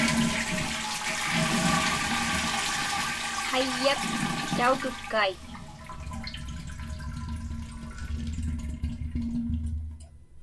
Qayyak tautukkaik.